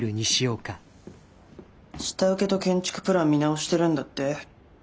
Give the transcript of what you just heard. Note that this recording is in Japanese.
下請けと建築プラン見直してるんだって？